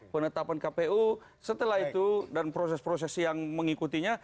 penetapan kpu setelah itu dan proses proses yang mengikutinya